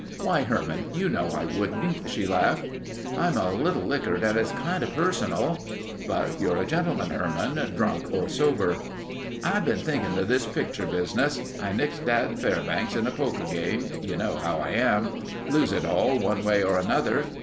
"Why Herman—you know I wouldn't," she laughed. "I'm a little likkered and it's kinda personal...." "But you're a gentleman, Herman—drunk or sober...." "I've been thinking of this picture business. I nicked Dad Fairbanks in a poker game. You know how I am. Lose it all one way or another.